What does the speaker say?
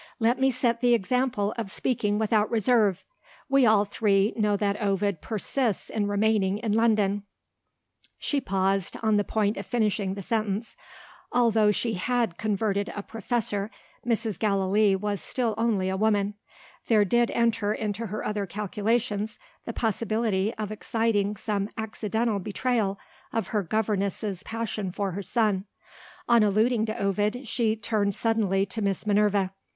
"Let me set the example of speaking without reserve. We all three know that Ovid persists in remaining in London " She paused, on the point of finishing the sentence. Although she had converted a Professor, Mrs. Gallilee was still only a woman. There did enter into her other calculations, the possibility of exciting some accidental betrayal of her governess's passion for her son. On alluding to Ovid, she turned suddenly to Miss Minerva.